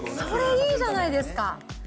それ、いいじゃないですか。